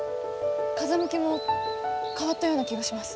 風向きも変わったような気がします。